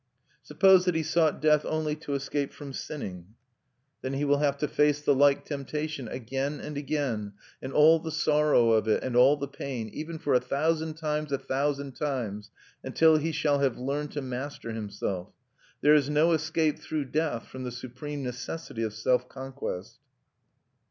"Suppose that he sought death only to escape from sinning?" "Then he will have to face the like temptation again and again, and all the sorrow of it, and all the pain, even for a thousand times a thousand times, until he shall have learned to master himself. There is no escape through death from the supreme necessity of self conquest."